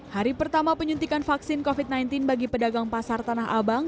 hari pertama penyuntikan vaksin covid sembilan belas bagi pedagang pasar tanah abang